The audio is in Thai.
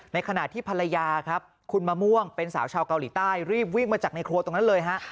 ในขณะที่ภรรยาครับคุณมะม่วงเป็นสาวชาวเกาหลีใต้รีบวิ่งมาจากในครัวตรงนั้นเลยฮะ